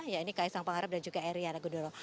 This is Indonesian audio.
ya ini kaisang pangarap dan juga eriana gudoro